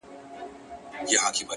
د سترګو کي ستا د مخ سُرخي ده!